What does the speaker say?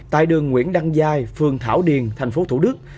tại đường nguyễn đăng giai phường thảo điền tp thủ đức